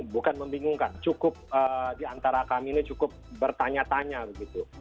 bukan membingungkan cukup diantara kami ini cukup bertanya tanya begitu